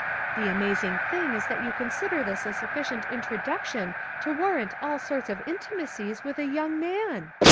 The amazing tiling is that you consider this a sufficient introduction to warrant all sorts of intimacies with a young man.